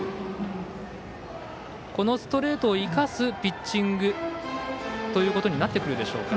このストレートを生かすピッチングということになってくるでしょうか。